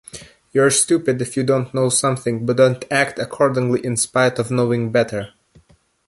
You’re stupid if you know something but don’t act accordingly in spite of knowing better.